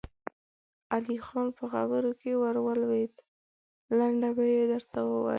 علی خان په خبره کې ور ولوېد: لنډه به يې درته ووايم.